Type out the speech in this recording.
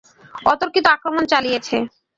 অতর্কিত আক্রমণ চালিয়েছে!